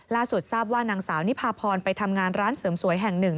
ล่าสุดทราบว่านางสาวนิพาพรไปทำงานร้านเสริมสวยแห่งหนึ่ง